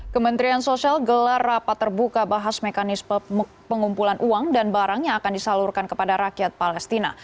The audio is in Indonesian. kementerian sosial gelar rapat terbuka bahas mekanisme pengumpulan uang dan barang yang akan disalurkan kepada rakyat palestina